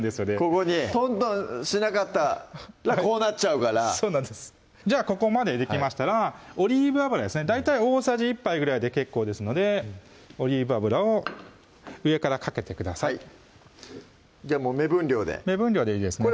ここにトントンしなかったらこうなっちゃうからじゃあここまでできましたらオリーブ油ですね大体大さじ１杯ぐらいで結構ですのでオリーブ油を上からかけてくださいじゃあもう目分量で目分量でいいですね